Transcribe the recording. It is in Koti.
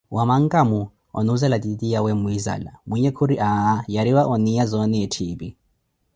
Wa mankamo? Onuzeela titiya wa muinzala. Mwinhe khuri aaa yariwa oniya zona etthiipi